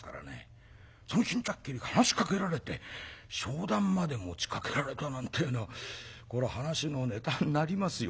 その巾着切りから話しかけられて商談まで持ちかけられたなんてえのはこれは話のネタになりますよ